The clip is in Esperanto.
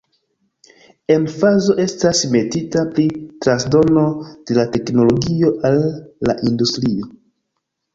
Emfazo estas metita pri transdono de la teknologio al la industrio.